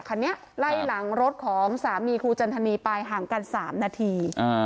คันนี้ไล่หลังรถของสามีครูจันทนีไปห่างกัน๓นาที